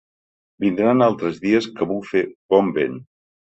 Vindran altres dies que bufe bon vent.